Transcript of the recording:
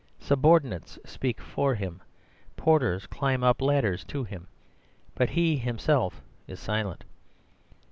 Subordinates speak for him. Porters climb up ladders to him. But he himself is silent.